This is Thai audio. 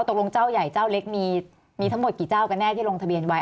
ตรงเจ้าใหญ่เจ้าเล็กมีทั้งหมดกี่เจ้ากันแน่ที่ลงทะเบียนไว้